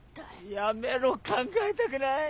やめろ考えたくない！